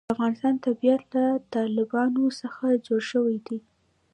د افغانستان طبیعت له تالابونه څخه جوړ شوی دی.